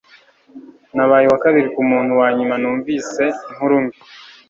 nabaye uwakabiri kumuntu wanyuma numvise inkuru mbi